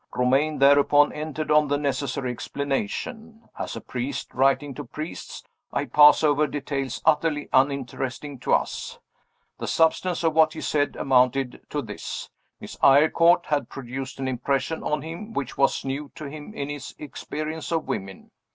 Romayne, thereupon, entered on the necessary explanation. As a priest writing to priests, I pass over details utterly uninteresting to us. The substance of what he said amounted to this: Miss Eyrecourt had produced an impression on him which was new to him in his experience of women.